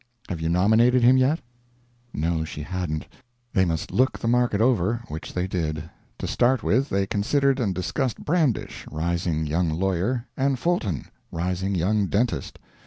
Have you nominated him yet?" No, she hadn't. They must look the market over which they did. To start with, they considered and discussed Brandish, rising young lawyer, and Fulton, rising young dentist.